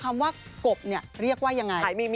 คำว่ากบเนี่ยเรียกว่ายังไง